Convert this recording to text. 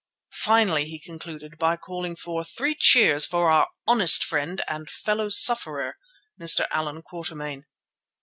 Finally he concluded by calling for "three cheers for our honest friend and fellow sufferer, Mr. Allan Quatermain."